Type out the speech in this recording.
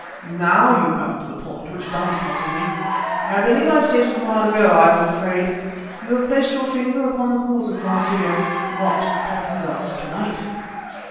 "Now you come to the point which does puzzle me. I believe I stated awhile ago that I was afraid. You have placed your finger upon the cause of my fear. What threatens us to night?"